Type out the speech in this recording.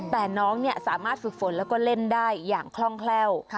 แต่น้องสามารถฝึกฝนแล้วก็เล่นได้อย่างคล่องแคล่ว